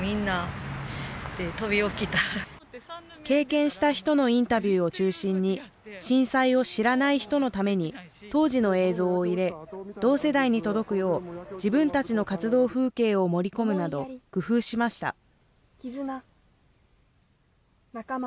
経験した人のインタビューを中心に、中心に、震災を知らない人のために、当時の映像を入れ、同世代に届くよう、自分たちの活動風景を盛り込むなど、工夫しました。